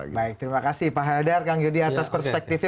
terima kasih pak helder kang yudi atas perspektifnya